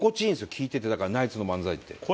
聞いててだからナイツの漫才って。